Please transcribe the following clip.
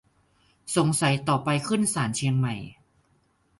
สงสัยต่อไปขึ้นศาลเชียงใหม่